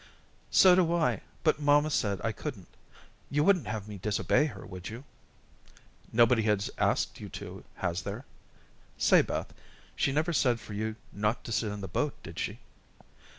"So do I, but mamma said I couldn't. You wouldn't have me disobey her, would you?" "Nobody has asked you to, has there? Say, Beth, she never said for you not to sit in the boat, did she?"